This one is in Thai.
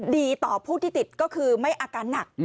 ดีต่อผู้ที่ติดก็คือไม่อาการหนัก